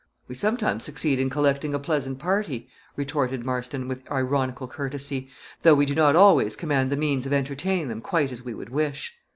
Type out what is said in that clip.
"We sometimes succeed in collecting a pleasant party," retorted Marston, with ironical courtesy, "though we do not always command the means of entertaining them quite as we would wish."